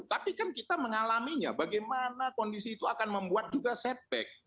tapi kan kita mengalaminya bagaimana kondisi itu akan membuat juga setback